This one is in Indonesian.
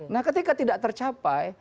nah ketika tidak tercapai